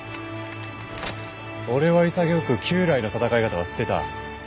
俺は潔く旧来の戦い方は捨てた。